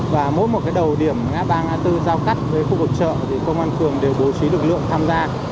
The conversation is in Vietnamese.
và mỗi một đầu điểm ngã ba ngã bốn giao cắt với khu vực trợ thì công an thường đều bố trí lực lượng tham gia